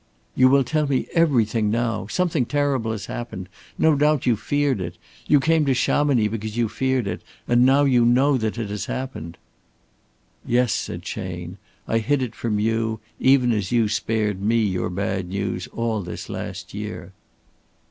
"You will tell me everything now. Something terrible has happened. No doubt you feared it. You came to Chamonix because you feared it, and now you know that it has happened." "Yes," said Chayne. "I hid it from you even as you spared me your bad news all this last year."